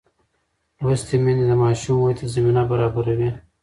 لوستې میندې د ماشوم ودې ته زمینه برابروي.